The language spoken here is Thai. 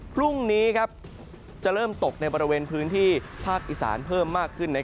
พรุ่งนี้จะเริ่มตกในบริเวณพื้นที่ภาคอีสานเพิ่มมากขึ้น